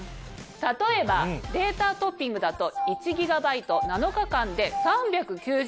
例えばデータトッピングだと１ＧＢ７日間で３９０円。